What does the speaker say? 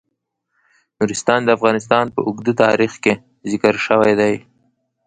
نورستان د افغانستان په اوږده تاریخ کې ذکر شوی دی.